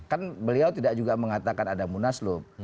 kan beliau tidak juga mengatakan ada munas lup